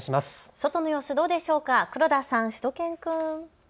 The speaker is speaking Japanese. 外の様子、どうでしょうか黒田さん、しゅと犬くん。